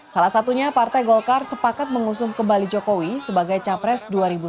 salah satunya partai golkar sepakat mengusung kembali jokowi sebagai capres dua ribu sembilan belas